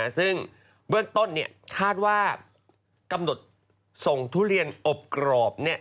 ซึ่งเบื้องต้นคาดว่ากำหนดส่งทุเรียนอบกรอบ